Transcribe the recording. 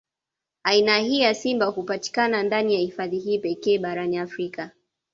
Aina hii ya simba hupatikana ndani ya hifadhi hii pekee barani Afrika